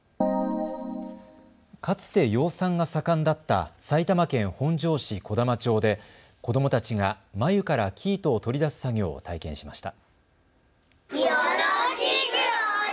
かつて養蚕が盛んだった埼玉県本庄市児玉町で子どもたちが繭から生糸を取り出す作業を体験しました。